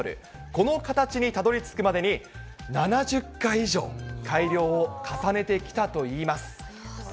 この形にたどりつくまでに、７０回以上、改良を重ねてきたといいます。